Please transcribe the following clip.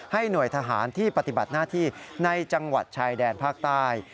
หน่วยทหารที่ปฏิบัติหน้าที่ในจังหวัดชายแดนภาคใต้